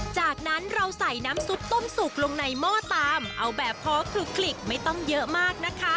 จากนั้นเราใส่น้ำซุปต้มสุกลงในหม้อตามเอาแบบพอคลุกไม่ต้องเยอะมากนะคะ